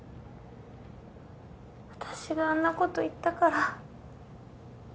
私があんなこと言ったから。